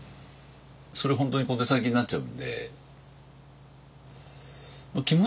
それ本当に小手先になっちゃうんで。